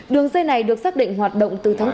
đường dây này được xác định hoạt động từ tháng bốn